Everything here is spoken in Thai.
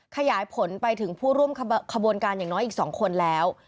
ขยายผลไปถึงผู้ร่วมขบวนการอย่างน้อยอีก๒คนแล้ว